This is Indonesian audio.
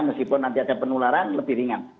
meskipun nanti ada penularan lebih ringan